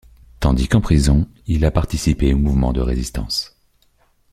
Tandis qu'en prison, il a participé au mouvement de résistance.